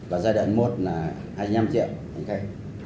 và giai đoạn một là hai mươi năm triệu ảnh khách